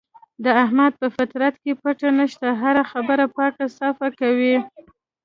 د احمد په فطرت کې پټه نشته، هره خبره پاکه صافه کوي.